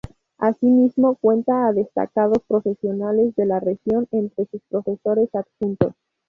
Asimismo, cuenta a destacados profesionales de la región entre sus profesores adjuntos.